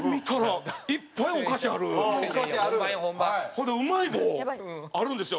ほんでうまい棒あるんですよ。